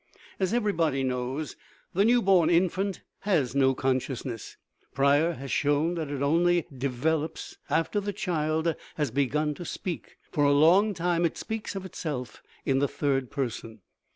As everybody knows, the new born infant has no consciousness. Preyer has shown that it is only de veloped after the child has begun to speak ; for a long time it speaks of itself in the third person.